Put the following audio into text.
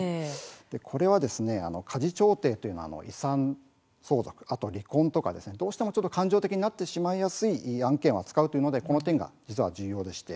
これは家事調停というのは遺産相続、離婚などどうしても感情的になってしまいやすい案件を扱うというのでこの点は重要です。